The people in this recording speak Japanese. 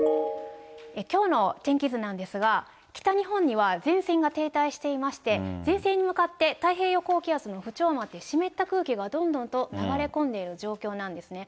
きょうの天気図なんですが、北日本には前線が停滞していまして、前線に向かって太平洋高気圧の縁を回って湿った空気がどんどんと流れ込んでいる状況なんですね。